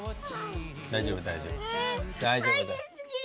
大丈夫大丈夫。